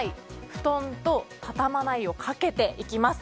布団と畳まないをかけていきます。